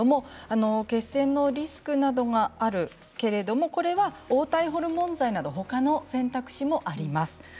血栓のリスクなどがあるけれども黄体ホルモン剤などほかの薬の選択肢もあります。